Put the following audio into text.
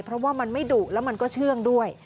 เพราะว่ามันไม่ดุแล้วมันก็เชื่องด้วย